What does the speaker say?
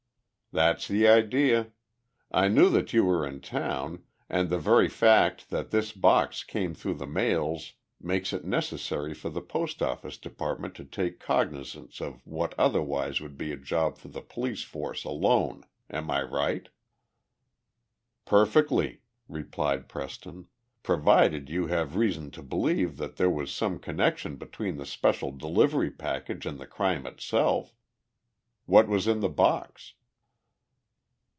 "That's the idea. I knew that you were in town, and the very fact that this box came through the mails makes it necessary for the Post office Department to take cognizance of what otherwise would be a job for the police force alone. Am I right?" "Perfectly," replied Preston. "Provided you have reason to believe that there was some connection between the special delivery package and the crime itself. What was in the box?"